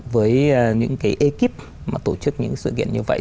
với những cái ekip mà tổ chức những sự kiện như vậy